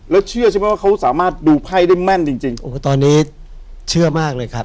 แล้วเชื่อใช่ไหมว่าเขาสามารถดูไพ่ได้แม่นจริงจริงโอ้โหตอนนี้เชื่อมากเลยครับ